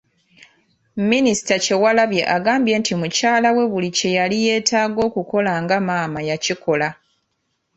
Minisita Kyewalabye agambye nti mukyala we buli kye yali yeetaaga okukola nga maama yakikola .